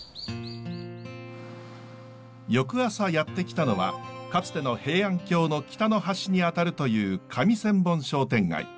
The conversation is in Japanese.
翌朝やって来たのはかつての平安京の北の端にあたるという上千本商店街。